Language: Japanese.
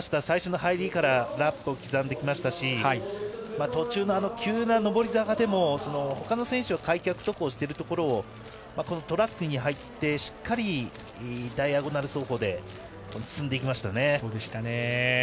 最初の入りからラップを刻んできましたし途中の急な上り坂でもほかの選手は開脚徒歩をしているところをトラックに入ってしっかりダイアゴナル走法で進んでいきました。